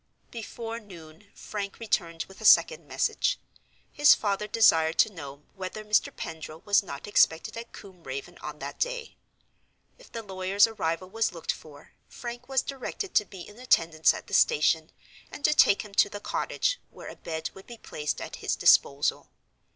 Before noon Frank returned with a second message. His father desired to know whether Mr. Pendril was not expected at Combe Raven on that day. If the lawyer's arrival was looked for, Frank was directed to be in attendance at the station, and to take him to the cottage, where a bed would be placed at his disposal.